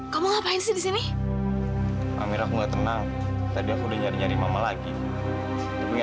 sampai jumpa di video selanjutnya